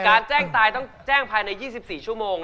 แจ้งตายต้องแจ้งภายใน๒๔ชั่วโมง